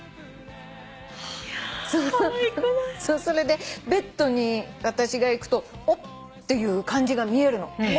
それでベッドに私が行くとおっ！っていう感じが見えるの。